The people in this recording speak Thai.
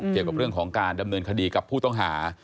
เกี่ยวกับเรื่องของการดำเนินคดีกับผู้ต้องหา